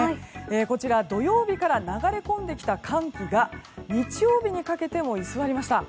こちら、土曜日から流れ込んできた寒気が日曜日にかけても居座りました。